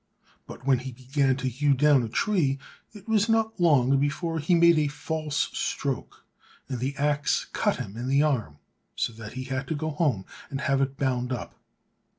But when he began to hew down a tree, it was not long before he made a false stroke, and the axe cut him in the arm, so that he had to go home and have it bound up.